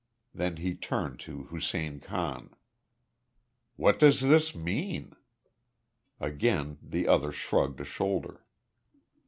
Then he turned to Hussein Khan. "What does this mean?" Again the other shrugged a shoulder.